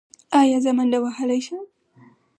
ایا زه منډه وهلی شم؟